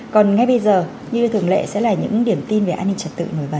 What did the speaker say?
còn ngay bây giờ như thường lệ sẽ là những điểm tin về an ninh trật tự nổi bật